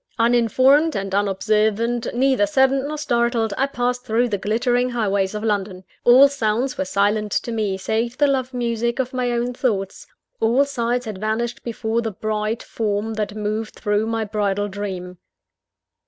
Uninformed and unobservant, neither saddened nor startled, I passed through the glittering highways of London. All sounds were silent to me save the love music of my own thoughts; all sights had vanished before the bright form that moved through my bridal dream.